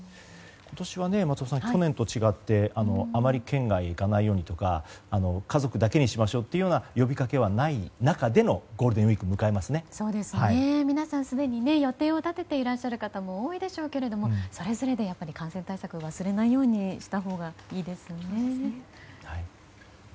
今年は松尾さん、去年と違ってあまり県外へ行かないようにとか家族だけにしましょうというような呼びかけはない中でのゴールデンウィークを皆さん、すでに予定を立てていらっしゃる方も多いでしょうけれどもそれぞれで感染対策は忘れないようにしたほうがいいですね。